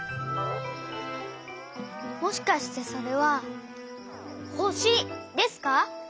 もしかしてそれはほしですか？